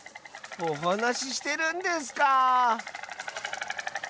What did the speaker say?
おはなししてるんですか。